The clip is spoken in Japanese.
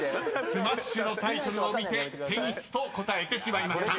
［『スマッシュ！』のタイトルを見て「テニス」と答えてしまいました］